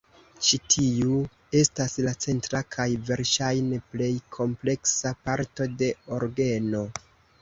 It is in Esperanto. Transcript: Ĉi tiu estas la centra kaj verŝajne plej kompleksa parto de orgeno.